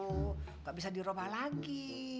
nggak bisa diroma lagi